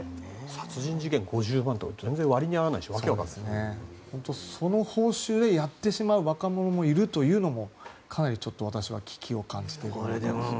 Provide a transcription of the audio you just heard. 殺人事件で５０万って全然割に合わないしその報酬でやってしまう若者がいるというのも私は危機を感じています。